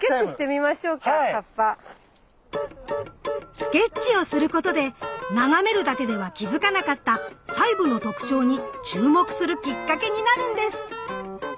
スケッチをすることで眺めるだけでは気付かなかった細部の特徴に注目するきっかけになるんです。